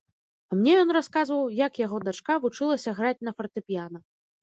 А мне ён расказваў, як яго дачка вучылася граць на фартэпіяна.